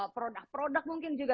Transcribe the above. produk produk mungkin juga